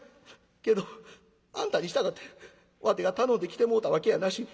けどあんたにしたかてわてが頼んで来てもろたわけやなし。